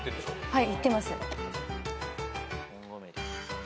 はい。